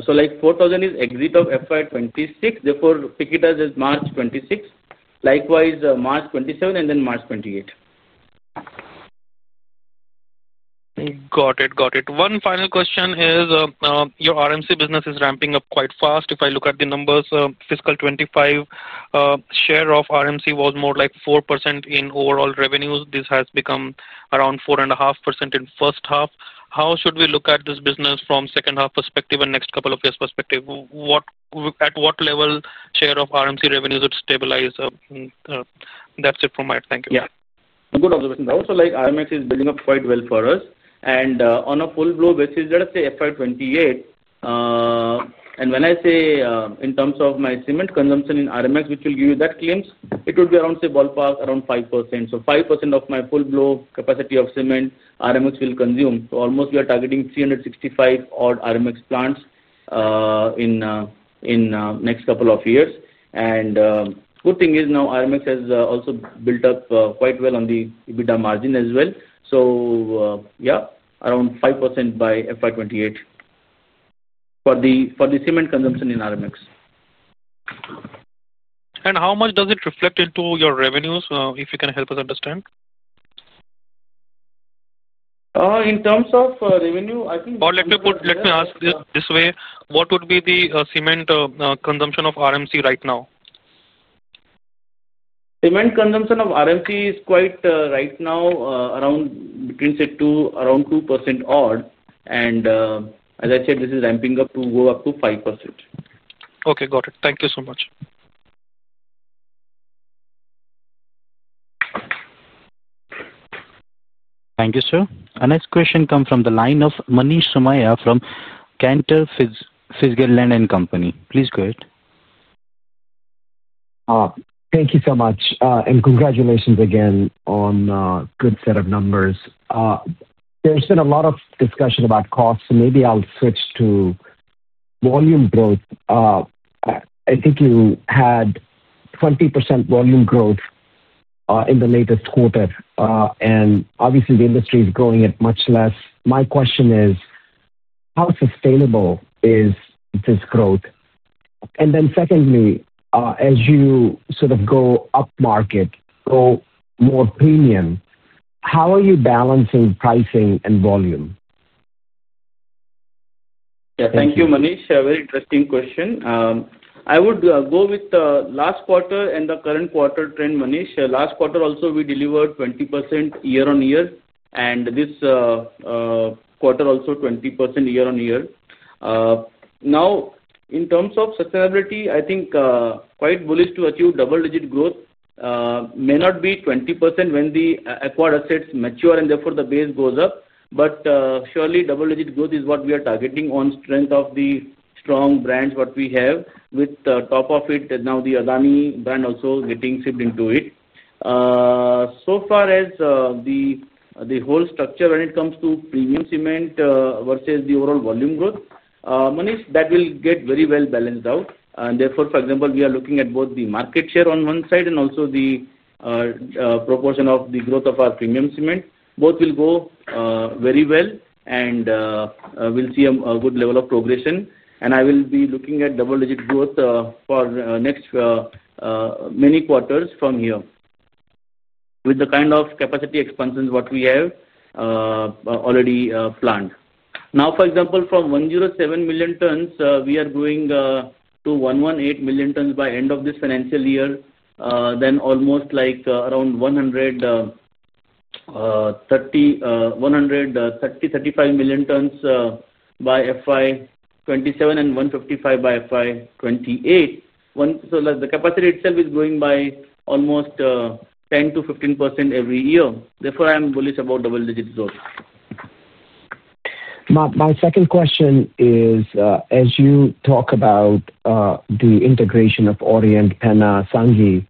So like 4,000 is exit of FY 2026. Therefore, pick it as March 2026, likewise March 2027, and then March 2028. Got it. Got it. One final question is your RMC business is ramping up quite fast. If I look at the numbers, fiscal 2025. Share of RMC was more like 4% in overall revenues. This has become around 4.5% in first half. How should we look at this business from second half perspective and next couple of years perspective? At what level share of RMC revenues would stabilize? That's it from my thank you. Yeah. Good observation. Also, like RMX is building up quite well for us. And on a full-blown basis, let us say FY 2028. And when I say in terms of my cement consumption in RMX, which will give you that claims, it would be around, say, ballpark, around 5%. So 5% of my full-blown capacity of cement RMX will consume. So almost we are targeting 365 odd RMX plants. In the next couple of years. And good thing is now RMX has also built up quite well on the EBITDA margin as well. So. Yeah, around 5% by FY 2028. For the cement consumption in RMX. And how much does it reflect into your revenues, if you can help us understand? In terms of revenue, I think. Or let me ask this way. What would be the cement consumption of RMC right now? Cement consumption of RMC is quite right now around. Between, say, around 2% odd. And as I said, this is ramping up to go up to 5%. Okay. Got it. Thank you so much. Thank you, sir. Our next question comes from the line of Manish Somalya from Cantor Fitzgerald Land and Company. Please go ahead. Thank you so much. And congratulations again on a good set of numbers. There's been a lot of discussion about costs, so maybe I'll switch to. Volume growth. I think you had. 20% volume growth. In the latest quarter, and obviously, the industry is growing at much less. My question is. How sustainable is this growth? And then secondly, as you sort of go upmarket, go more premium, how are you balancing pricing and volume? Yeah. Thank you, Manish. Very interesting question. I would go with the last quarter and the current quarter trend, Manish. Last quarter also, we delivered 20% year-on-year, and this quarter also, 20% year-on-year. Now, in terms of sustainability, I think quite bullish to achieve double-digit growth. May not be 20% when the acquired assets mature, and therefore the base goes up. Surely, double-digit growth is what we are targeting on strength of the strong brands we have, with top of it now the Adani brand also getting sipped into it. So far as the whole structure, when it comes to premium cement versus the overall volume growth, Manish, that will get very well balanced out. For example, we are looking at both the market share on one side and also the proportion of the growth of our premium cement. Both will go very well. We'll see a good level of progression. I will be looking at double-digit growth for next many quarters from here with the kind of capacity expansions we have already planned. For example, from 107 million tons, we are going to 118 million tons by end of this financial year, then almost like around 135 million tons by FY 2027 and 155 by FY 2028. The capacity itself is growing by almost 10%-15% every year. Therefore, I'm bullish about double-digit growth. My second question is, as you talk about the integration of Orient, Penna, Sanghi,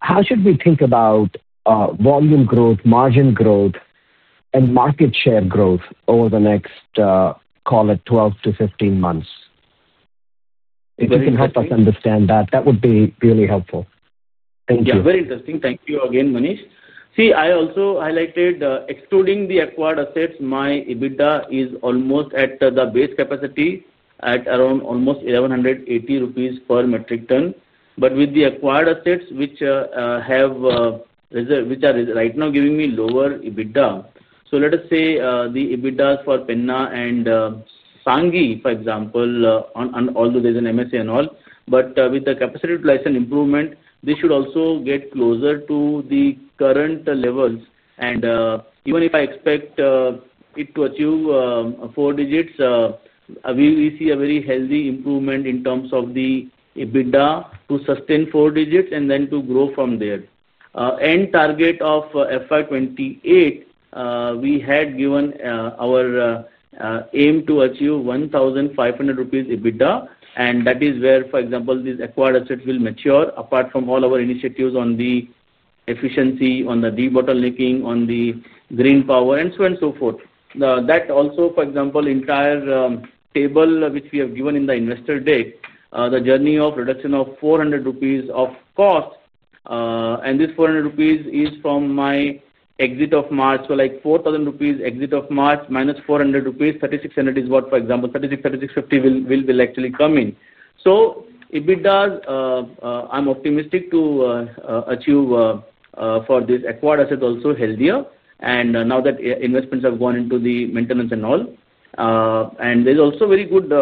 how should we think about volume growth, margin growth, and market share growth over the next, call it, 12-15 months? If you can help us understand that, that would be really helpful. Thank you. Yeah. Very interesting. Thank you again, Manish. See, I also highlighted excluding the acquired assets, my EBITDA is almost at the base capacity at around almost 1,180 rupees per metric ton. With the acquired assets, which are right now giving me lower EBITDA, let us say the EBITDAs for Penna and Sanghi, for example, although there's an MSA and all, but with the capacity utilization improvement, they should also get closer to the current levels. Even if I expect it to achieve four digits, we see a very healthy improvement in terms of the EBITDA to sustain four digits and then to grow from there. End target of FY 2028, we had given our aim to achieve 1,500 rupees EBITDA, and that is where, for example, these acquired assets will mature, apart from all our initiatives on the efficiency, on the debottlenecking, on the green power, and so on and so forth. That also, for example, entire table which we have given in the investor deck, the journey of reduction of 400 rupees of cost. This 400 rupees is from my exit of March. So like 4,000 rupees exit of March minus 400 rupees, 3,600 is what, for example, 3,600, 3,650 will actually come in. EBITDA, I'm optimistic to achieve for these acquired assets also healthier. Now that investments have gone into the maintenance and all, there's also very good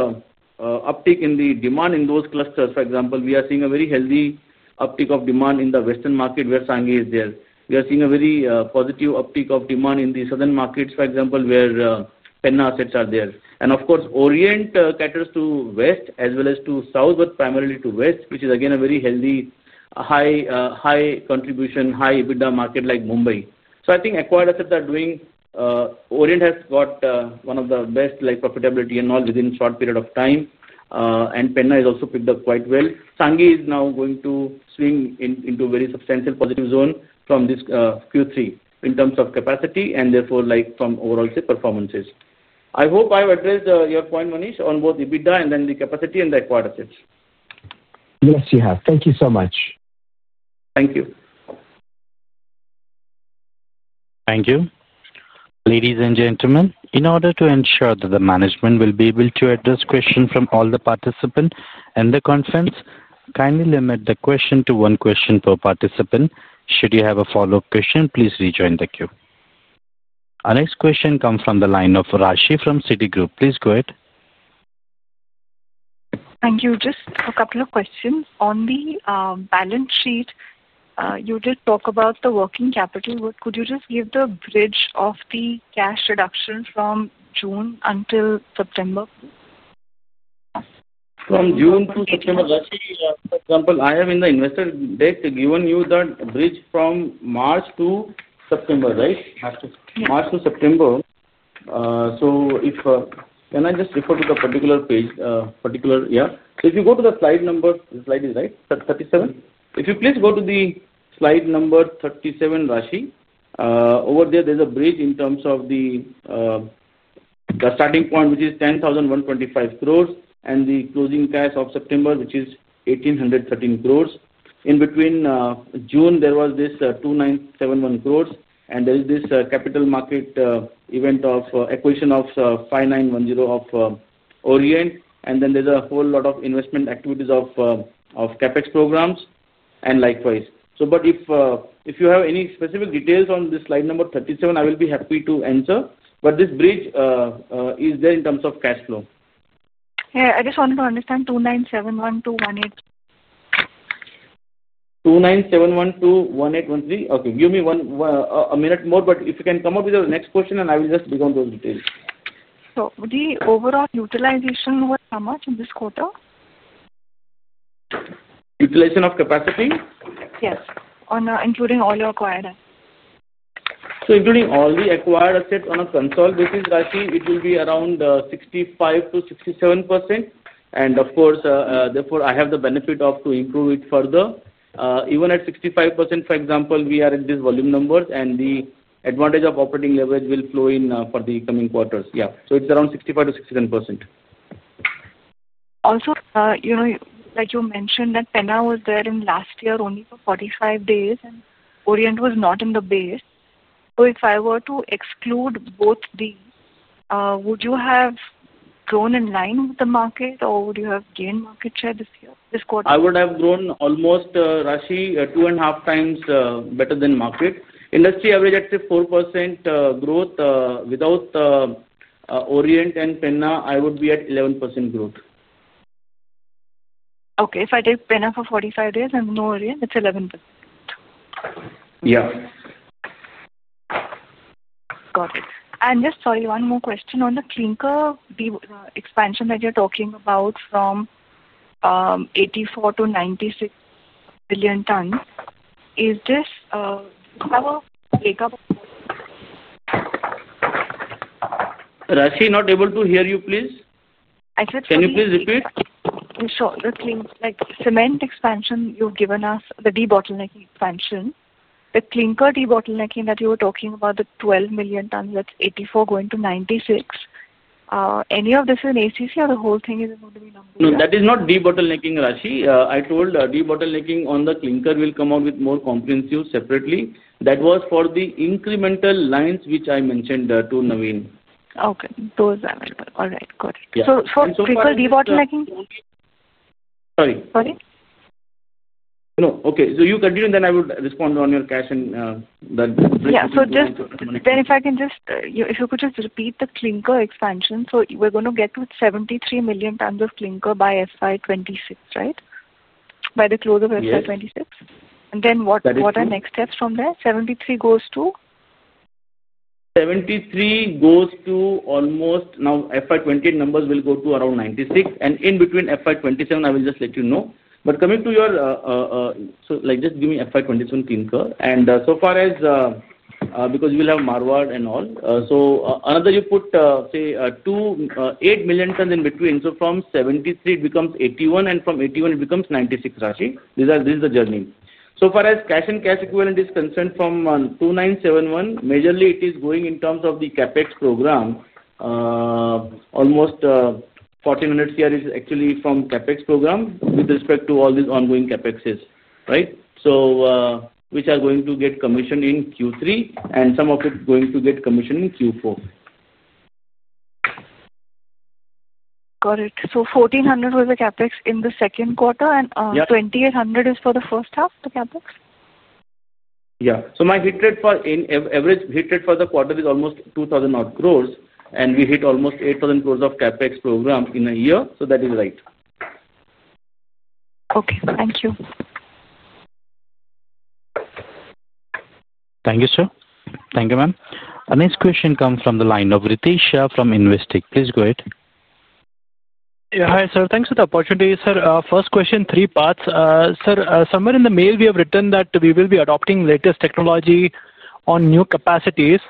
uptake in the demand in those clusters. For example, we are seeing a very healthy uptake of demand in the Western market where Sanghi is there. We are seeing a very positive uptake of demand in the Southern markets, for example, where Penna assets are there. Of course, Orient caters to West as well as to South, but primarily to West, which is again a very healthy, high-contribution, high EBITDA market like Mumbai. I think acquired assets are doing—Orient has got one of the best profitability and all within a short period of time. Penna has also picked up quite well. Sanghi is now going to swing into a very substantial positive zone from this Q3 in terms of capacity and therefore from overall performances. I hope I have addressed your point, Manish, on both EBITDA and then the capacity and the acquired assets. Yes, you have. Thank you so much. Thank you. Thank you. Ladies and gentlemen, in order to ensure that the management will be able to address questions from all the participants in the conference, kindly limit the question to one question per participant. Should you have a follow-up question, please rejoin the queue. Our next question comes from the line of Rashi from Citi Group. Please go ahead. Thank you. Just a couple of questions. On the balance sheet, you did talk about the working capital. Could you just give the bridge of the cash reduction from June until September? From June to September, Rashi, for example, I have in the investor deck given you that bridge from March to September, right? March to September. If I can just refer to the particular page, particular—yeah? If you go to the slide number, the slide is, right, 37. If you please go to the slide number 37, Rashi. Over there, there is a bridge in terms of the starting point, which is 10,125 crore, and the closing cash of September, which is 1,813 crore. In between, June, there was this 2,971 crore, and there is this capital market event of acquisition of 5,910 crore of Orient. Then there is a whole lot of investment activities of Capex programs and likewise. If you have any specific details on this slide number 37, I will be happy to answer. This bridge is there in terms of cash flow. Yeah. I just wanted to understand 2,971 crore to INR 1,800 crore. INR 2,971 crore to 1,813 crore? Okay. Give me a minute more, but if you can come up with the next question, I will just dig on those details. The overall utilization was how much in this quarter? Utilization of capacity? Yes. Including all your acquired assets? Including all the acquired assets on a consolidated basis, Rashi, it will be around 65%-67%. Of course, therefore, I have the benefit of improving it further. Even at 65%, for example, we are at these volume numbers, and the advantage of operating leverage will flow in for the coming quarters. Yeah. It is around 65%-67%. also. Like you mentioned, that Penna was there in last year only for 45 days, and Orient was not in the base. If I were to exclude both these, would you have grown in line with the market, or would you have gained market share this year? This quarter? I would have grown almost, Rashi, two and a half times better than market. Industry average at 4% growth without Orient and Penna, I would be at 11% growth. Okay. If I take Penna for 45 days and no Orient, it is 11%. Yeah. Got it. Just sorry, one more question on the clinker expansion that you are talking about from 84 to 96 million tons. Is this—do you have a breakup? Rashi, not able to hear you, please. I said clinker? Can you please repeat? Sure. The clinker like cement expansion you have given us, the debottlenecking expansion, the clinker debottlenecking that you were talking about, the 12 million tons, that is 84 going to 96. Any of this is in ACICI or the whole thing is going to be numbered? No, that is not debottlenecking, Rashi. I told debottlenecking on the clinker will come out with more comprehensive separately. That was for the incremental lines, which I mentioned to Navin Okay. Those are available. All right. Got it. Clinker debottlenecking? Sorry. Sorry? No, okay. You continue, and then I will respond on your cash and the bridge component. Yeah. If I can just—if you could just repeat the clinker expansion. We are going to get to 73 million tons of clinker by FY 2026, right? By the close of FY 2026? Yes. What are next steps from there? 73 goes to? 73 goes to almost now FY 2028 numbers will go to around 96. In between FY 2027, I will just let you know. Coming to your—just give me FY 2027 clinker. So far as—because we will have Marward and all. Another you put, say, 8 million tons in between. From 73, it becomes 81, and from 81, it becomes 96, Rashi. This is the journey. So far as cash and cash equivalent is concerned from 2,971 crore, majorly it is going in terms of the CapEx program. Almost 1,400 crore is actually from CapEx program with respect to all these ongoing CapExes, right? Which are going to get commissioned in Q3, and some of it going to get commissioned in Q4. Got it. 1,400 crore was the CapEx in the second quarter, and 2,800 crore is for the first half, the CapEx? Yeah. My average hit rate for the quarter is almost 2 000crore, and we hit almost 8,000 crore of CapEx program in a year. That is right. Okay. Thank you. Thank you, sir. Thank you, ma'am. Our next question comes from the line of Riteshiah from Investec. Please go ahead. Yeah. Hi, sir. Thanks for the opportunity, sir. First question, three parts. Sir, somewhere in the mail, we have written that we will be adopting latest technology on new capacities.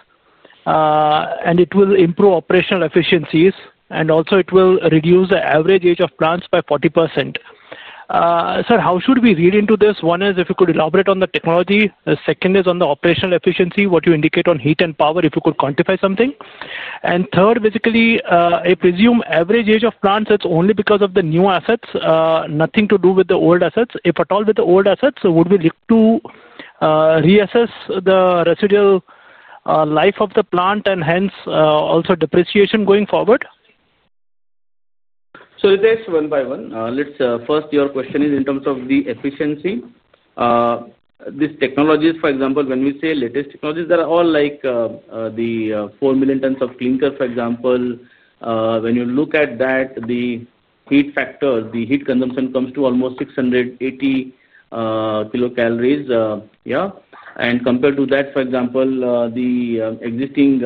It will improve operational efficiencies, and also it will reduce the average age of plants by 40%. Sir, how should we read into this? One is if you could elaborate on the technology. The second is on the operational efficiency, what you indicate on heat and power, if you could quantify something. Third, basically, I presume average age of plants, it's only because of the new assets, nothing to do with the old assets. If at all with the old assets, would we look to reassess the residual life of the plant and hence also depreciation going forward? Let's ask one by one. First, your question is in terms of the efficiency. These technologies, for example, when we say latest technologies, they're all like the 4 million tons of clinker, for example. When you look at that, the heat factor, the heat consumption comes to almost 680 kilocalories, yeah? Compared to that, for example, the existing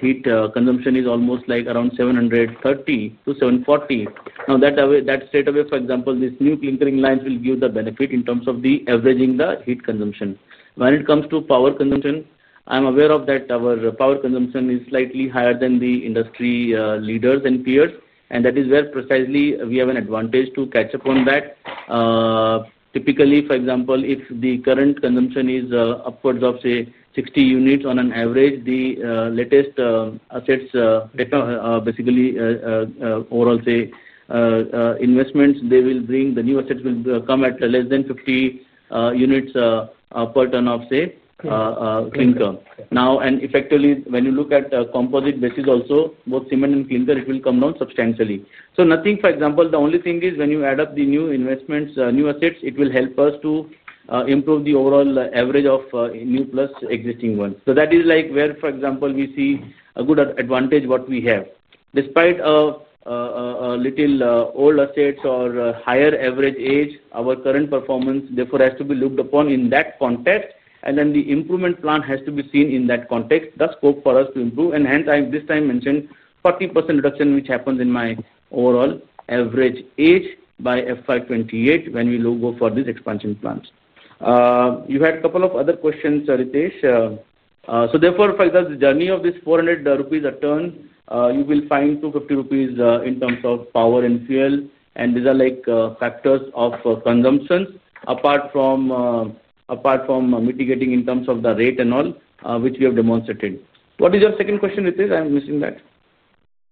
heat consumption is almost like around 730-740. That straightaway, for example, these new clinkering lines will give the benefit in terms of averaging the heat consumption. When it comes to power consumption, I'm aware that our power consumption is slightly higher than the industry leaders and peers, and that is where precisely we have an advantage to catch up on that. Typically, for example, if the current consumption is upwards of, say, 60 units on an average, the latest assets, basically, overall, say, investments, they will bring the new assets will come at less than 50 units per ton of, say, clinker. Now, and effectively, when you look at composite basis also, both cement and clinker, it will come down substantially. Nothing, for example, the only thing is when you add up the new investments, new assets, it will help us to improve the overall average of new plus existing ones. That is like where, for example, we see a good advantage what we have. Despite a little old assets or higher average age, our current performance, therefore, has to be looked upon in that context, and then the improvement plan has to be seen in that context, the scope for us to improve. Hence, I this time mentioned 40% reduction, which happens in my overall average age by FY 2028 when we go for these expansion plans. You had a couple of other questions, Ritesh. Therefore, for the journey of this 400 rupees a ton, you will find 250 rupees in terms of power and fuel, and these are like factors of consumptions apart from mitigating in terms of the rate and all, which we have demonstrated. What is your second question, Ritesh? I'm missing that.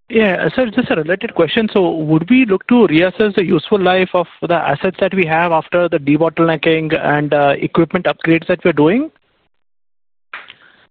Yeah. Sir, just a related question. Would we look to reassess the useful life of the assets that we have after the debottlenecking and equipment upgrades that we are doing?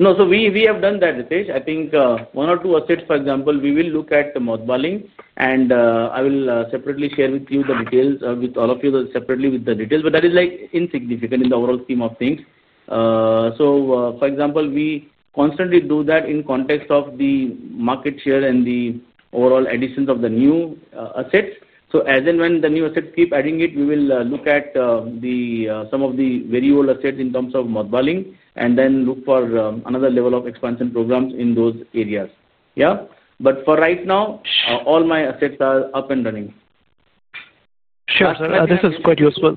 No, we have done that, Ritesh. I think one or two assets, for example, we will look at mothballing, and I will separately share with you the details, with all of you separately, with the details. That is insignificant in the overall scheme of things. For example, we constantly do that in the context of the market share and the overall additions of the new assets. As and when the new assets keep adding, we will look at some of the very old assets in terms of mothballing and then look for another level of expansion programs in those areas. Yeah? For right now, all my assets are up and running. Sure. This is quite useful.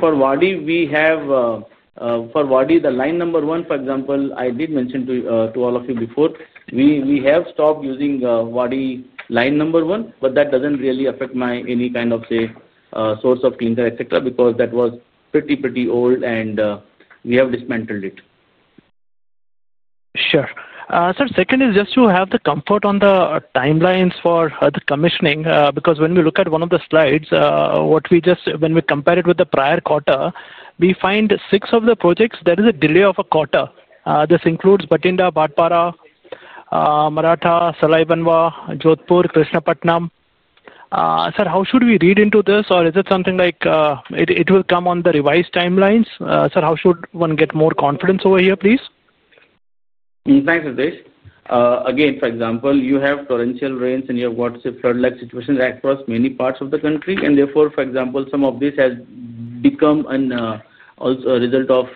For Wadi, we have—for Wadi, the line number one, for example, I did mention to all of you before, we have stopped using Wadi line number one, but that does not really affect my any kind of, say, source of clinker, etc., because that was pretty, pretty old, and we have dismantled it. Sure. Sir, second is just to have the comfort on the timelines for the commissioning, because when we look at one of the slides, when we compare it with the prior quarter, we find six of the projects, there is a delay of a quarter. This includes Bathinda, Bhattapara, Maratha, Salaibanwa, Jodhpur, Krishnapatnam. Sir, how should we read into this, or is it something like it will come on the revised timelines? Sir, how should one get more confidence over here, please? Thanks, Ritesh. Again, for example, you have torrential rains and you have got flood-like situations across many parts of the country, and therefore, for example, some of this has become a result of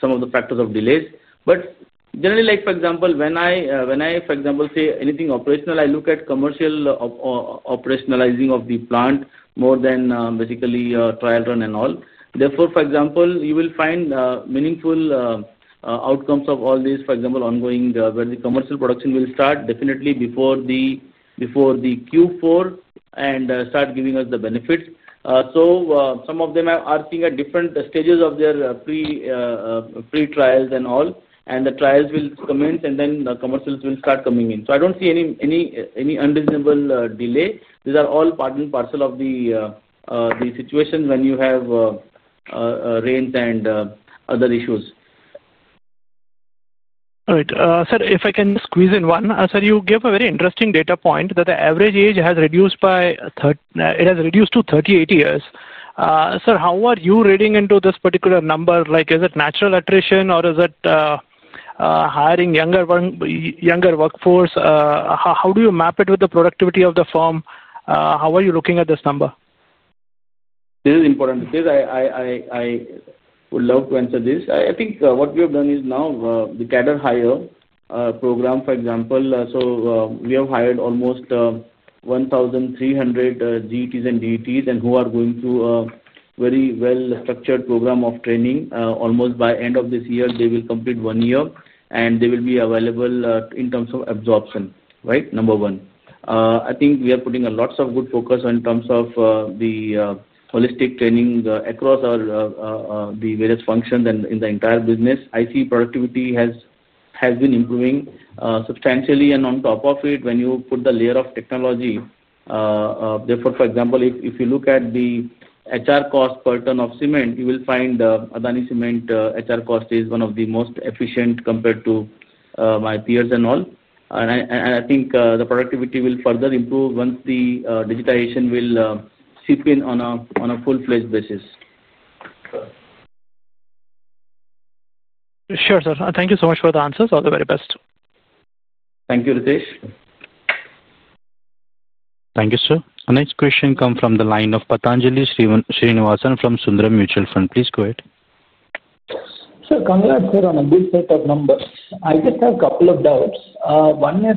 some of the factors of delays. Generally, for example, when I say anything operational, I look at commercial operationalizing of the plant more than basically trial run and all. Therefore, for example, you will find meaningful outcomes of all these, for example, ongoing where the commercial production will start definitely before the Q4 and start giving us the benefits. Some of them are seeing at different stages of their pre-trials and all, and the trials will commence, and then the commercials will start coming in. I do not see any unreasonable delay. These are all part and parcel of the situation when you have rains and other issues. All right. Sir, if I can squeeze in one, sir, you give a very interesting data point that the average age has reduced by—it has reduced to 38 years. Sir, how are you reading into this particular number? Is it natural attrition, or is it hiring younger workforce? How do you map it with the productivity of the firm? How are you looking at this number? This is important, Ritesh. I would love to answer this. I think what we have done is now the Cadder Hire program, for example. We have hired almost 1,300 GETs and DETs who are going through a very well-structured program of training. Almost by end of this year, they will complete one year, and they will be available in terms of absorption, right? Number one. I think we are putting lots of good focus in terms of the holistic training across the various functions and in the entire business. I see productivity has been improving substantially, and on top of it, when you put the layer of technology. Therefore, for example, if you look at the HR cost per ton of cement, you will find ACC HR cost is one of the most efficient compared to my peers and all. I think the productivity will further improve once the digitization will seep in on a full-fledged basis. Sure, sir. Thank you so much for the answers. All the very best. Thank you, Ritesh. Thank you, sir. Our next question comes from the line of Patanji Srinivasan from Sundaram Mutual Fund. Please go ahead. Sir, congrats for a good set of numbers. I just have a couple of doubts. One is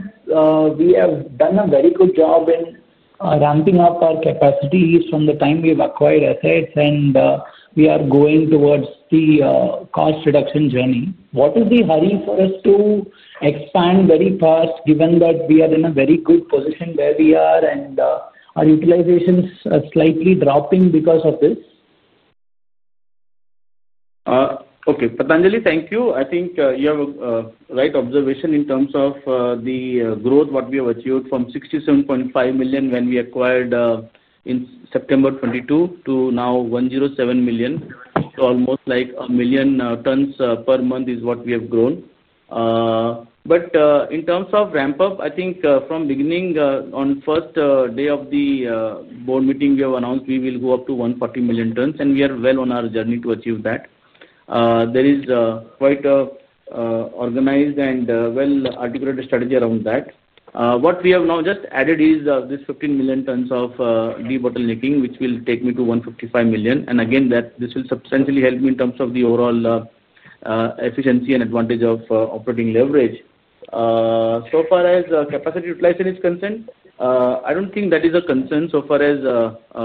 we have done a very good job in ramping up our capacities from the time we've acquired assets, and we are going towards the cost reduction journey. What is the hurry for us to expand very fast, given that we are in a very good position where we are and our utilization is slightly dropping because of this? Okay. Pathanjali, thank you. I think you have a right observation in terms of the growth what we have achieved from 67.5 million when we acquired in September 2022 to now 107 million. So almost like a million tons per month is what we have grown. In terms of ramp-up, I think from beginning, on first day of the board meeting, we have announced we will go up to 140 million tons, and we are well on our journey to achieve that. There is quite an organized and well-articulated strategy around that. What we have now just added is this 15 million tons of debottlenecking, which will take me to 155 million. This will substantially help me in terms of the overall efficiency and advantage of operating leverage. So far as capacity utilization is concerned, I do not think that is a concern so far as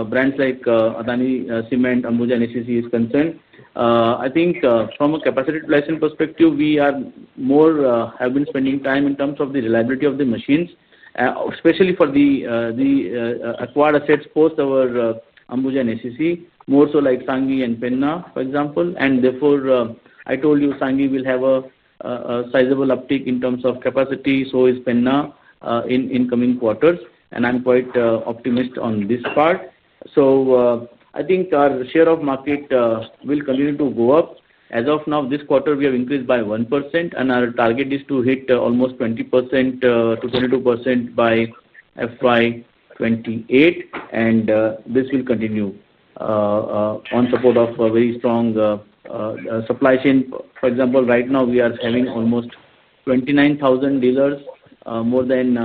brands like ACC, Ambuja, and Adani Cement is concerned. From a capacity utilization perspective, we have been spending time in terms of the reliability of the machines, especially for the acquired assets post our Ambuja and ACC, more so like Sanghi and Penna, for example. Therefore, I told you Sanghi will have a sizable uptick in terms of capacity, so is Penna in incoming quarters. I am quite optimistic on this part. I think our share of market will continue to go up. As of now, this quarter, we have increased by 1%, and our target is to hit almost 20%-22% by FY 2028, and this will continue. On support of a very strong supply chain. For example, right now, we are having almost 29,000 dealers, more than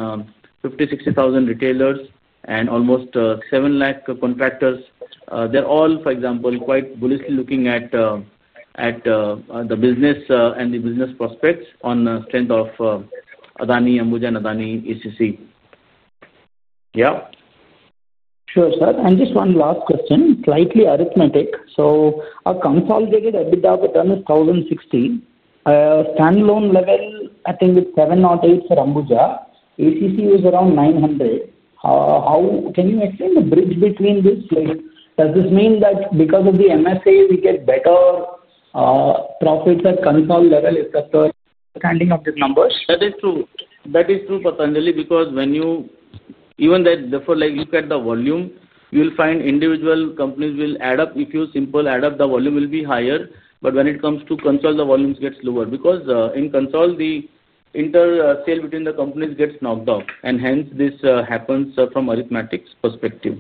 50,000-60,000 retailers, and almost 700,000 contractors. They are all, for example, quite bullishly looking at the business and the business prospects on the strength of Adani, Ambuja, and Adani ACC. Yeah? Sure, sir. And just one last question, slightly arithmetic. A consolidated EBITDA per ton is 1,060. Standalone level, I think it is 708 for Ambuja. ACC is around 900. Can you explain the bridge between this? Does this mean that because of the MSA, we get better profits at consolidated level if we are standing on these numbers? That is true. That is true, Pathanjali, because when you even therefore, look at the volume, you will find individual companies will add up. If you simply add up, the volume will be higher. But when it comes to console, the volumes get lower because in console, the inter-sale between the companies gets knocked off. And hence, this happens from an arithmetic perspective.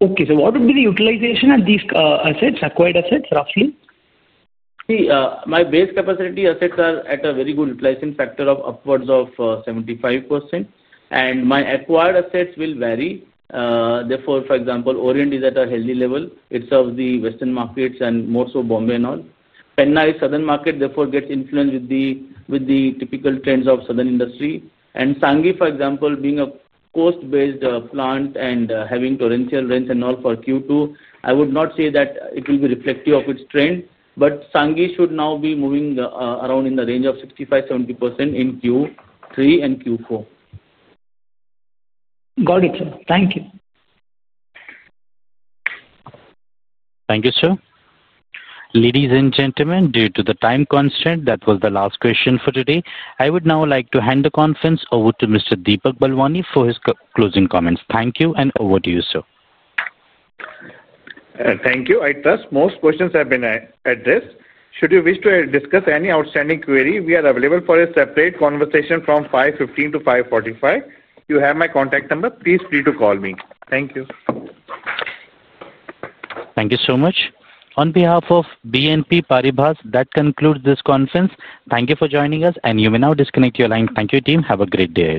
Okay. What would be the utilization of these assets, acquired assets, roughly? See, my base capacity assets are at a very good utilization factor of upwards of 75%. And my acquired assets will vary. Therefore, for example, Orient is at a healthy level. It serves the Western markets and more so Bombay and all. Penna is a southern market, therefore gets influenced with the typical trends of southern industry. And Sanghi, for example, being a coast-based plant and having torrential rains and all for Q2, I would not say that it will be reflective of its trend. But Sanghi should now be moving around in the range of 65%-70% in Q3 and Q4. Got it, sir. Thank you. Thank you, sir. Ladies and gentlemen, due to the time constraint, that was the last question for today. I would now like to hand the conference over to Mr. Deepak Balvani for his closing comments. Thank you, and over to you, sir. Thank you. I trust most questions have been addressed. Should you wish to discuss any outstanding query, we are available for a separate conversation from 5:15 P.M to 5:45 P.M. You have my contact number. Please feel free to call me. Thank you. Thank you so much. On behalf of BNP Paribas, that concludes this conference. Thank you for joining us, and you may now disconnect your line. Thank you, team. Have a great day.